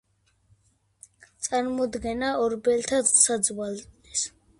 წარმოადგენდა ორბელთა საძვალეს.